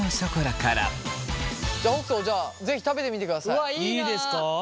いいですか？